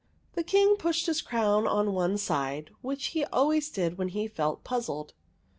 The King pushed his crown on one side, which he always did when he felt puzzled.